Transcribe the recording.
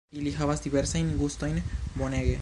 Ili havas diversajn gustojn, bonege